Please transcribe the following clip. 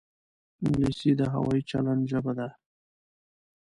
انګلیسي د هوايي چلند ژبه ده